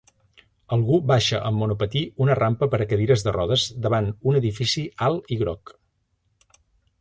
Algú baixa amb monopatí una rampa per a cadires de rodes davant un edifici alt i groc.